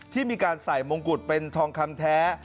ที่มีการใส่มงกุฎเป็นทองคำแท้